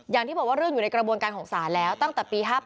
อย่างที่บอกว่าเรื่องอยู่ในกระบวนการของศาลแล้วตั้งแต่ปี๕๘